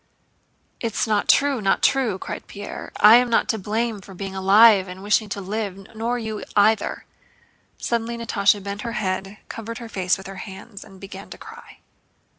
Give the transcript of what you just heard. "It's not true, not true!" cried Pierre. "I am not to blame for being alive and wishing to live—nor you either." Suddenly Natásha bent her head, covered her face with her hands, and began to cry.